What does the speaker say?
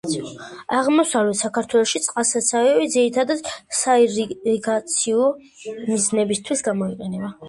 აღმოსავლეთ საქართველოში წყალსაცავები ძირითადად საირიგაციო მიზნებისთვის გამოიყენება.